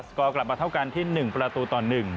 กอร์กลับมาเท่ากันที่๑ประตูต่อ๑